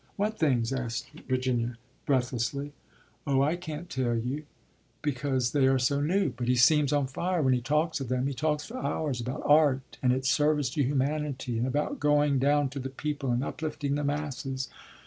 "What things?" asked Virginia breathlessly. "Oh, I can't tell you because they are so new, but he seems on fire when he talks of them. He talks for hours about art and its service to humanity and about going down to the people and uplifting the masses."